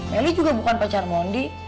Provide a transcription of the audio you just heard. meli juga bukan pacar mondi